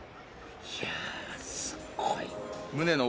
いやあすごい。